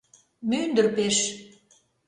Мӱндыр пеш